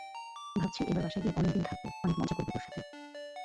ভাবছি এবার বাসায় গিয়ে অনেক দিন থাকব, অনেক মজা করব তোর সঙ্গে।